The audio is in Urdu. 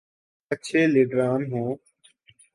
اچھے لیڈران ہوں۔